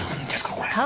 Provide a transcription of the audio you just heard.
これ。